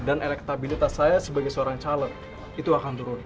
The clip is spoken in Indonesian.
dan elektabilitas saya sebagai seorang caleg itu akan turun